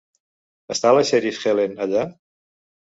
Està la Sheriff Helen allà?